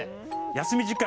休み時間